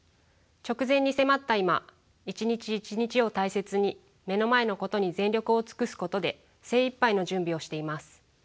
直前に迫った今一日一日を大切に目の前のことに全力を尽くすことで精いっぱいの準備をしています。